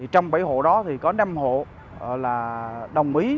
trong bảy hộ đó thì có năm hộ là đồng ý